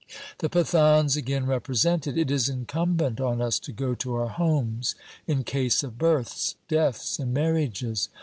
The Pathans again represented :' It is incumbent on us to go to our homes in case of births, deaths, and marriages.